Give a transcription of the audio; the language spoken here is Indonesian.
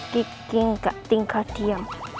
kiki nggak tinggal diam